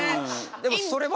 でもそれは。